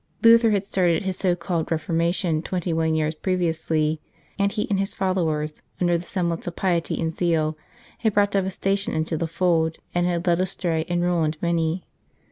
Luther had started his so called Reformation twenty one years previously, and he and his followers, under the semblance of piety and zeal, had brought devastation into the Fold, and had led astray and ruined many.